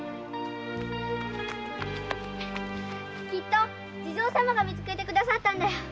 きっと地蔵様が見つけてくださったんだよ！